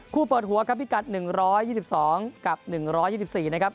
เปิดหัวครับพิกัด๑๒๒กับ๑๒๔นะครับ